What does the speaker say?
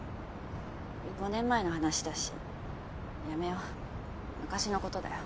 ５年前の話だしやめよう昔のことだよ。